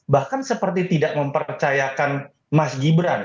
bahkan seperti tidak mempercayakan mas gibran